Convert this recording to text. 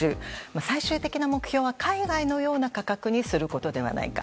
最終的な目標は海外のような価格にすることではないか。